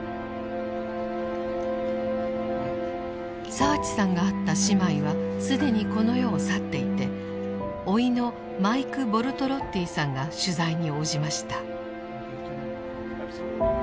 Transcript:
澤地さんが会った姉妹は既にこの世を去っていて甥のマイク・ボルトロッティさんが取材に応じました。